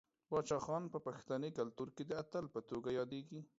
باچا خان په پښتني کلتور کې د اتل په توګه یادیږي.